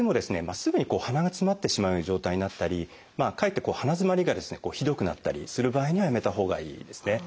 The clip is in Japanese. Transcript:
すぐに鼻がつまってしまう状態になったりかえって鼻づまりがですねひどくなったりする場合にはやめたほうがいいですね。